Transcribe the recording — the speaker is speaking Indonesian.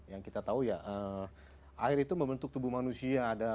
yang kita tahu ya air itu membentuk tubuh manusia